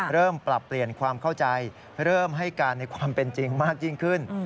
เริ่มปรับเปลี่ยนความเข้าใจเริ่มให้การในความเป็นจริงมากยิ่งขึ้น